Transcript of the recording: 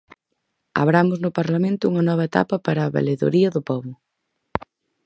Abramos no Parlamento unha nova etapa para a Valedoría do Pobo.